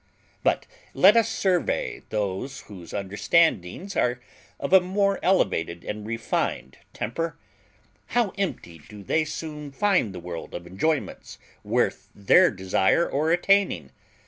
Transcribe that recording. But let us survey those whose understandings are of a more elevated and refined temper; how empty do they soon find the world of enjoyments worth their desire or attaining!